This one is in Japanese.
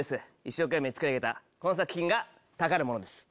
一生懸命作り上げたこの作品が宝物です。